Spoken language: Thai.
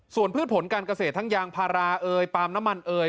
ส่วนพืชผลการเกษตรทั้งยางพาราเอยปาล์มน้ำมันเอ่ย